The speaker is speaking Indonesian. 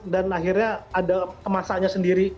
dan akhirnya ada kemasannya sendiri